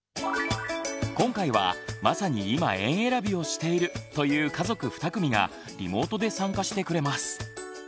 今回はまさに今園えらびをしているという家族２組がリモートで参加してくれます。